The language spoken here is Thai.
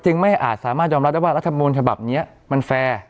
ไม่อาจสามารถยอมรับได้ว่ารัฐมนต์ฉบับนี้มันแฟร์